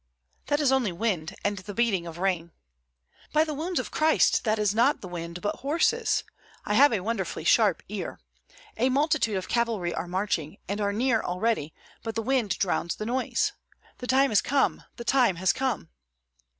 "That is only wind and the beating of rain." "By the wounds of Christ! that is not the wind, but horses! I have a wonderfully sharp ear. A multitude of cavalry are marching, and are near already; but the wind drowns the noise. The time has come! The time has come!"